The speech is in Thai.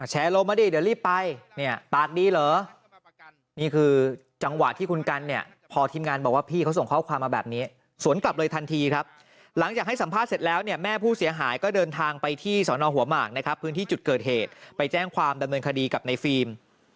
ลงมาดิเดี๋ยวรีบไปเนี่ยปากดีเหรอนี่คือจังหวะที่คุณกันเนี่ยพอทีมงานบอกว่าพี่เขาส่งข้อความมาแบบนี้สวนกลับเลยทันทีครับหลังจากให้สัมภาษณ์เสร็จแล้วเนี่ยแม่ผู้เสียหายก็เดินทางไปที่สอนอหัวหมากนะครับพื้นที่จุดเกิดเหตุไปแจ้งความดำเนินคดีกับในฟิล์ม